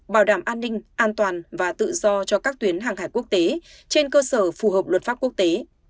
bảo đảm an ninh an toàn và tự do cho các tuyến hàng hải quốc tế trên cơ sở phù hợp luật pháp quốc tế